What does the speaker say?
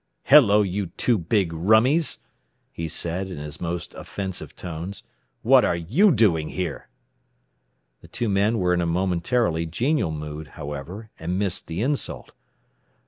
"Hello, you two big rummies," he said in his most offensive tones. "What are you doing here?" The two men were in a momentarily genial mood, however, and missed the insult.